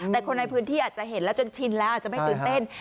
แต่คนในพื้นที่อาจจะเห็นแล้วจนชินแล้วอาจจะไม่ตื่นเต้น